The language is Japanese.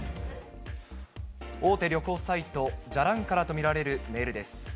大手旅行サイト、じゃらんからと見られるメールです。